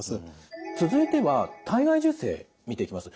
続いては体外受精見ていきます。